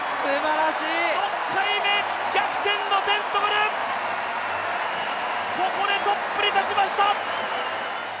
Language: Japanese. ６回目、逆転のテントグル、ここでトップに立ちました。